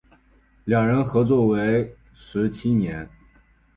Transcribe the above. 两人合作为时七年。